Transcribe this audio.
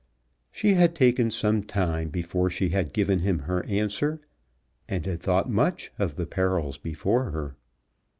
She had taken some time before she had given him her answer, and had thought much of the perils before her.